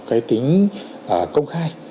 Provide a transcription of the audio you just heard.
cái tính công khai